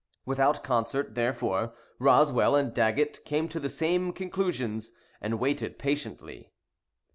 Without concert, therefore, Roswell and Daggett came to the same conclusions, and waited patiently.